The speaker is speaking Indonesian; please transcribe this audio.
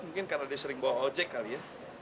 mungkin karena dia sering bawa ojek kali ya